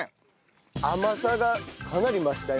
甘さがかなり増したよ。